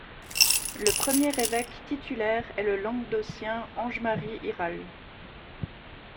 Le premier évêque titulaire est le Languedocien Ange-Marie Hiral.